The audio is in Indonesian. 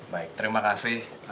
baik terima kasih